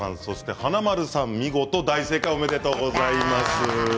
華丸さん、見事大正解おめでとうございます。